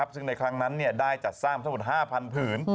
ซึ่งในครั้งนั้นได้จัดสร้างทั้งหมด๕๐๐ผืน